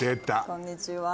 こんにちは。